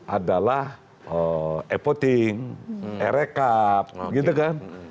adalah e voting e rekap gitu kan